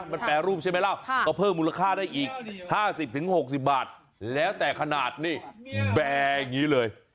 มันแปรรูปใช่ไหมล่ะก็เพิ่มมูลค่าได้อีก๕๐๖๐บาทแล้วแต่ขนาดนี่แบร์อย่างนี้เลย